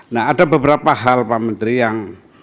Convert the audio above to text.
nah ada beberapa hal pak menteri yang